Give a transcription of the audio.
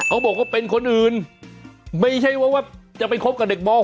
เขาบอกว่าเป็นคนอื่นไม่ใช่ว่าจะไปคบกับเด็กบอล